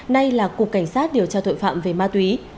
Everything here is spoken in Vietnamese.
nay là cục cảnh sát điều tra tội phạm về ma túy